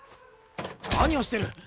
何をしてる！